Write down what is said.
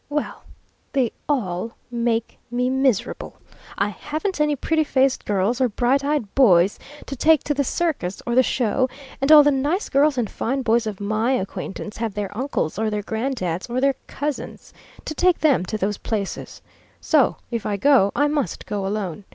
Well, they all make me miserable. I haven't any pretty faced girls or bright eyed boys to take to the circus or the show, and all the nice girls and fine boys of my acquaintance have their uncles or their grand dads or their cousins to take them to those places; so, if I go, I must go alone.